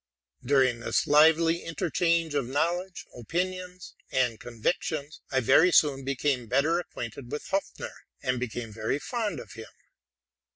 During this lively interchange of knowledge, opinions, and convictions, I very soon became better acquainted with Ho6pfner, and became very fond of him.